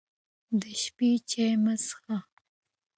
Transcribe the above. د شپې چای مه څښئ.